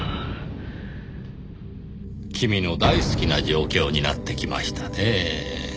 「」君の大好きな状況になってきましたねぇ。